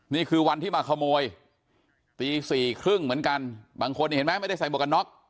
นี่คือวันที่มาขโมยตีสี่ครึ่งเหมือนกันบางคนเห็นไหมไม่ได้ใส่หมวกกันน็อก